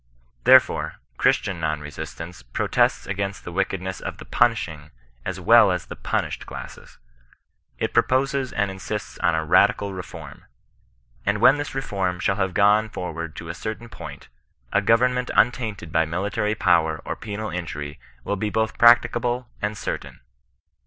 Therefore, Christian non resistance protests against the wickedness of the punishing, as well as the punished classes. It proposes and insists on a radical reform. And when this reform shall have gone forward to a cer tain point, a government xmtainted by military power or penal injury will be both practicable and certain.